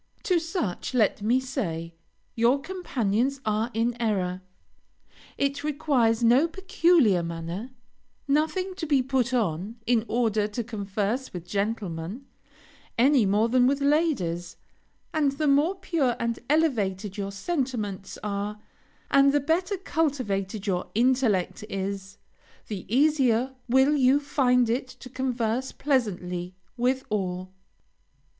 To such, let me say, your companions are in error; it requires no peculiar manner, nothing to be put on, in order to converse with gentlemen, any more than with ladies; and the more pure and elevated your sentiments are, and the better cultivated your intellect is, the easier will you find it to converse pleasantly with all.